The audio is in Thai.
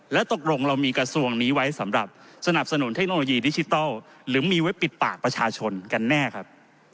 แล้วตกลงเรามีกระทรวงนี้ไว้สำหรับสนับสนุนเทคโนโลยีดิจิทัลหรือมีไว้ปิดปากประชาชนกันแน่ครับ